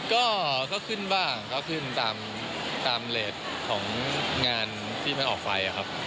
ก็ขึ้นบ้างก็ขึ้นตามเลสของงานที่มันออกไปครับ